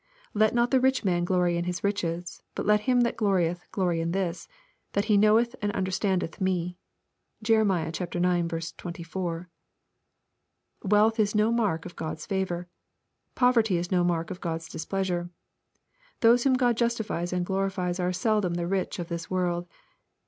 '^Let not the rich man glory in his riches. But let him that glorieth glory in this, that he knoweth and understandeth me," (Jer. ix. 24.) Wealth is no mark of Q od's favor. Poverty is no mark of God's displeasure. Those whom God jus tifies and glorifies are seldom the rich of this world.